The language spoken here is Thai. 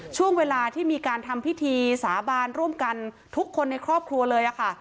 ช่วงเวลาที่มีการทำพิธีสาบานร่วมกันทุกคนในครอบครัวเลยค่ะ